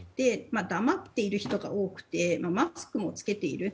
黙っている人が多くてマスクも着けている。